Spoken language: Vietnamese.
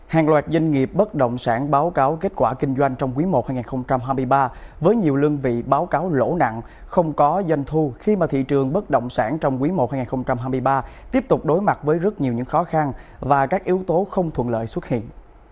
hàng loạt doanh nghiệp bất động sản báo cáo kết quả kinh doanh trong quý i hai nghìn hai mươi ba với nhiều lương vị báo cáo lỗ nặng không có doanh thu khi mà thị trường bất động sản trong quý i hai nghìn hai mươi ba tiếp tục đối mặt với rất nhiều những khó khăn và các yếu tố không thuận lợi xuất hiện